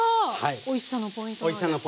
おいしさのポイントですね。